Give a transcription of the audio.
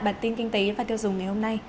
bản tin kinh tế và tiêu dùng ngày hôm nay